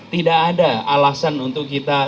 tidak ada alasan untuk kita